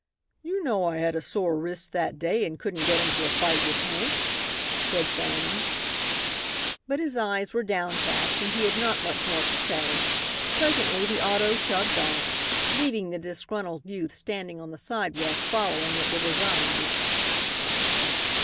"You know I had a sore wrist that day and couldn't get into a fight with Hank," said Fanning, but his eyes were downcast and he had not much more to say. Presently the auto chugged off, leaving the disgruntled youth standing on the sidewalk following it with his eyes.